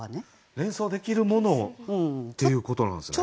連想できるものをっていうことなんですね。